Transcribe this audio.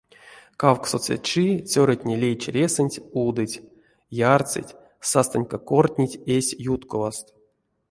Кавксоце чи цёратне лей чиресэнть удыть, ярсыть, састынька кортнить эсь ютковаст.